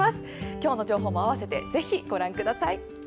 今日の情報も併せてご覧ください。